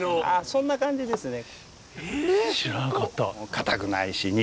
そんな感じですね。